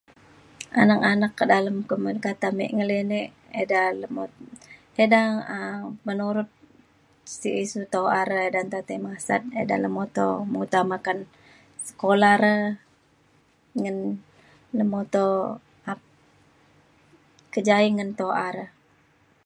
anak anak kak dalem [unintelligible] ngelinek ida lemu- ida um ban urep si - suto are ida nta tai masat ida lemuto muta makan sekolah re ngan lemuto ap- kejaie ngan tu’a re